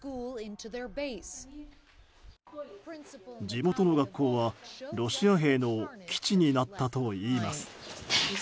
地元の学校は、ロシア兵の基地になったといいます。